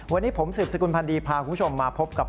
วันนี้ผมสืบสกุลพันธ์ดีพาคุณผู้ชมมาพบกับ